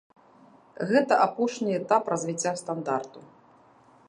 Гэта апошні этап развіцця стандарту.